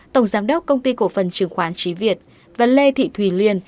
tổng giám đốc công ty cổ phần chứng khoán trí việt và lê thị thùy liên